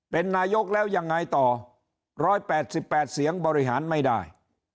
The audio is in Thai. เป็นนายกแล้วยังไงต่อ๑๘๘เสียงบริหารไม่ได้